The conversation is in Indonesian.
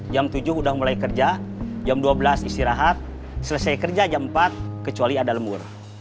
jam tujuh udah mulai kerja jam dua belas istirahat selesai kerja jam empat kecuali ada lemur